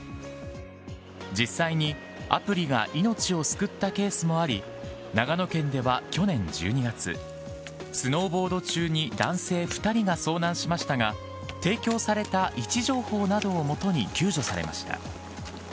実際にアプリが命を救ったケースもあり、長野県では去年１２月、スノーボード中に男性２人が遭難しましたが、提供された位置情報などをもとに救助されました。